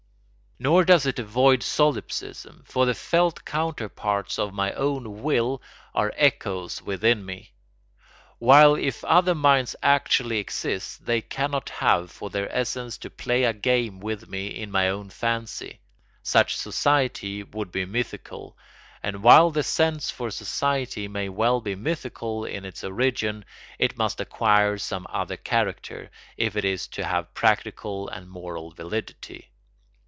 Nor does it avoid solipsism; for the felt counterparts of my own will are echoes within me, while if other minds actually exist they cannot have for their essence to play a game with me in my own fancy. Such society would be mythical, and while the sense for society may well be mythical in its origin, it must acquire some other character if it is to have practical and moral validity.